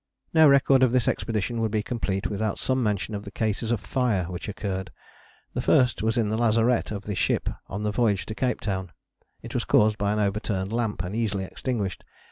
No record of this expedition would be complete without some mention of the cases of fire which occurred. The first was in the lazarette of the ship on the voyage to Cape Town: it was caused by an overturned lamp and easily extinguished.